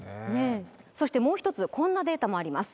そしてもう一つこんなデータもあります